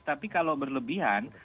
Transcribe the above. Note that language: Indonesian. tapi kalau berlebihan